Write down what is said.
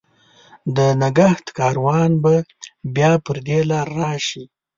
د نګهت کاروان به بیا پر دې لار، راشي